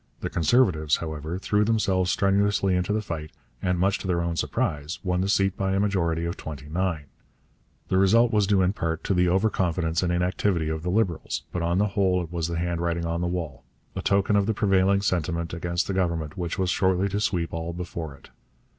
The Conservatives, however, threw themselves strenuously into the fight, and, much to their own surprise, won the seat by a majority of twenty nine. The result was due in part to the over confidence and inactivity of the Liberals, but on the whole it was the handwriting on the wall a token of the prevailing sentiment against the Government which was shortly to sweep all before it.